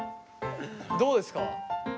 どうですか？